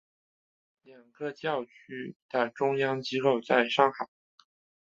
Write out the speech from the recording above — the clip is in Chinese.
两个教区的中央机构在上海。